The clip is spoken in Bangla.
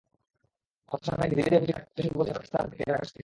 হতাশার মেঘ ধীরে ধীরে বুঝি কাটতে শুরু করেছে পাকিস্তান ক্রিকেটের আকাশ থেকে।